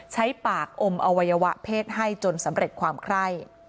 ใช้ปากอมอวัยวะเพศให้จนสำเร็จความไคร่